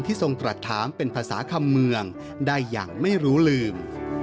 ทรงตรัสถามเป็นภาษาคำเมืองได้อย่างไม่รู้ลืม